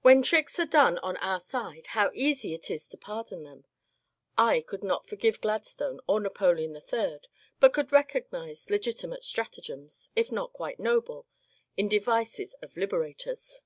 When tricks are done on our side, how easy it is to pardon them I I could not forgive Gladstone or Napoleon III, but could recognize legitimate stratagems — if not quite noble — in devices of " liberators."